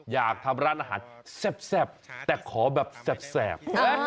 อยากทำร้านอาหารแซ่บแต่ขอแบบแสบ